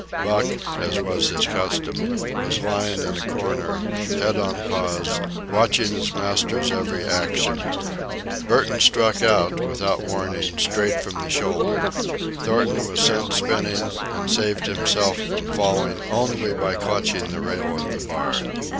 Buck, as was his custom, was lying in a corner, head on paws, watching his master's every action. Burton struck out, without warning, straight from the shoulder. Thornton was sent spinning, and saved himself from falling only by clutching the rail of the bar.